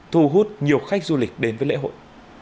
thu hút nhiều khách du lịch đến với lễ hội